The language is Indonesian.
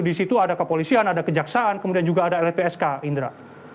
di situ ada kepolisian ada kejaksaan kemudian juga ada lpsk indra